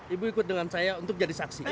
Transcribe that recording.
ibu ikut dengan saya untuk jadi saksi